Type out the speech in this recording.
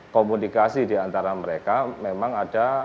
komunikasi di antara mereka memang ada